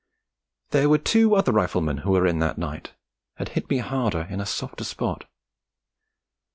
There were two other Riflemen who were in that night, and hit me harder in a softer spot.